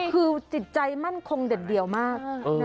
คือจิตใจมั่นคงเด็ดเดี่ยวมาก